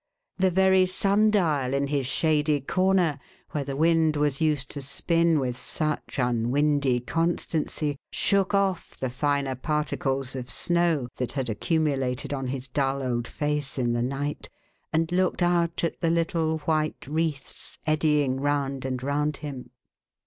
The very sun dial in his shady corner, where the wind was used to spin' with such un windy constancy, shook off' the finer particles of snow that had accumulated on his dull old face in the night, and looked out at the little white wreaths eddying round and round him.